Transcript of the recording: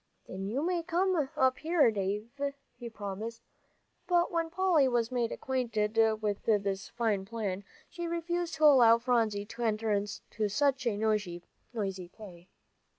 Then you may come up here, Dave," he promised. But when Polly was made acquainted with this fine plan, she refused to allow Phronsie to enter into such a noisy play.